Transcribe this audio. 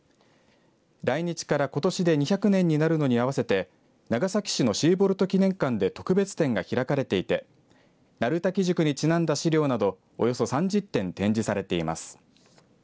来日からことしで２００年になるのに合わせて長崎市のシーボルト記念館で特別展が開かれていて鳴滝塾にちなんだ資料などをおよそ３０点展示されています。